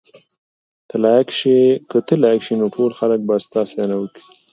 که ته لایق شې نو ټول خلک به ستا ستاینه وکړي.